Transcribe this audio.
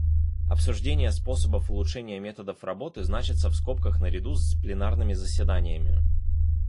Обсуждения способов улучшения методов работы значатся в скобках наряду с пленарными заседаниями.